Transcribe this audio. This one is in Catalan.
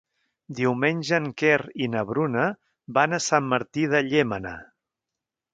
Diumenge en Quer i na Bruna van a Sant Martí de Llémena.